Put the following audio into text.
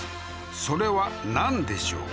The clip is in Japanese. それはなんでしょう？